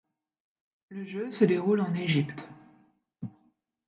Le jeu se déroule en Égypte.